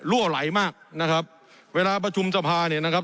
ไหลมากนะครับเวลาประชุมสภาเนี่ยนะครับ